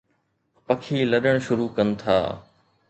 پکي لڏڻ شروع ڪن ٿا